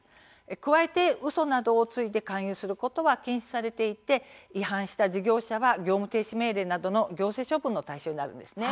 加えて、うそなどをついて勧誘することは禁止されていて違反した事業者は業務停止命令など行政処分の対象になるんですね。